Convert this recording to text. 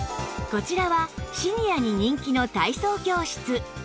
こちらはシニアに人気の体操教室